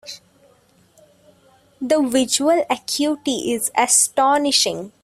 The visual acuity is astonishing.